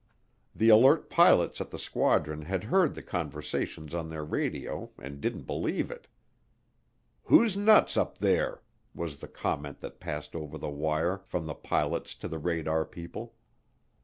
The alert pilots at the squadron had heard the conversations on their radio and didn't believe it. "Who's nuts up there?" was the comment that passed over the wire from the pilots to the radar people.